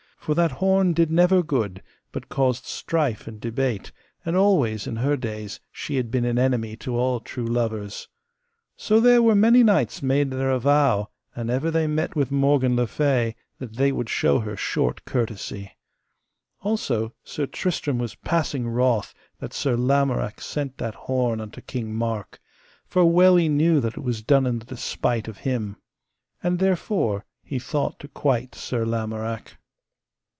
For that horn did never good, but caused strife and debate, and always in her days she had been an enemy to all true lovers. So there were many knights made their avow, an ever they met with Morgan le Fay, that they would show her short courtesy. Also Sir Tristram was passing wroth that Sir Lamorak sent that horn unto King Mark, for well he knew that it was done in the despite of him. And therefore he thought to quite Sir Lamorak.